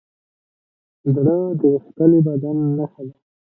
زړه د غښتلي بدن نښه ده.